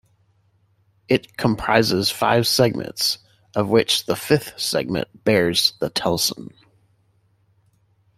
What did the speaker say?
It comprises five segments, of which the fifth segment bears the telson.